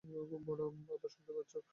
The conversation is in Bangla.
বাবা, শুনতে পাচ্ছো?